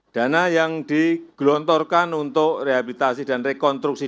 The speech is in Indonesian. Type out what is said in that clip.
dana yang digelontorkan untuk rehabilitasi dan rekonstruksi